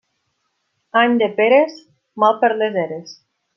Any de peres, mal per les eres.